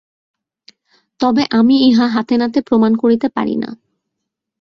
তবে আমি ইহা হাতে-নাতে প্রমাণ করিতে পারি না।